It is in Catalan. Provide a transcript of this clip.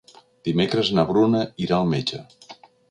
Dimecres na Bruna irà al metge.